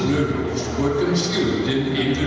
lebih dari tiga belas dua juta paket makanan instan